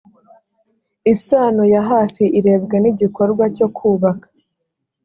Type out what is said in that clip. isano ya hafi irebwa n igikorwa cyo kubaka